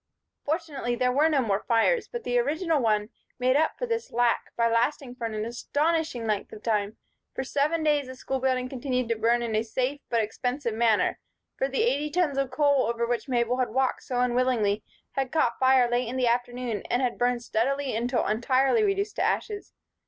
Fortunately, there were no more fires; but the original one made up for this lack by lasting for an astonishing length of time. For seven days the school building continued to burn in a safe but expensive manner; for the eighty tons of coal over which Mabel had walked so unwillingly had caught fire late in the afternoon and had burned steadily until entirely reduced to ashes.